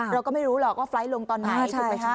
เราก็ไม่รู้หรอกว่าไฟล์ตลงตอนไหน